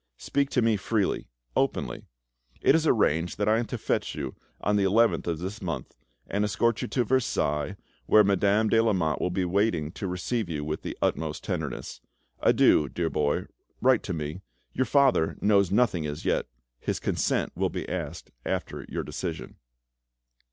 Speak to me freely, openly. It is arranged that I am to fetch you on the 11th of this month, and escort you to Versailles, where Madame de Lamotte will be waiting to receive you with the utmost tenderness. Adieu, dear boy; write to me. Your father knows nothing as yet; his consent will be asked after your decision."